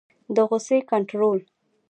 د غصې کنټرول